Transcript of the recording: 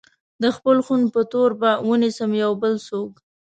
د خپل خون په تور به ونيسم يو بل څوک